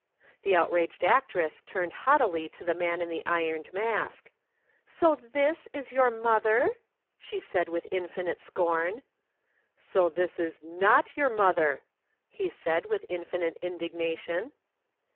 The outraged actress turned haughtily to the Man in the Ironed Mask. "So this is your mother?" she said with infinite scorn. "So this is not your mother!" he said with infinite indignation.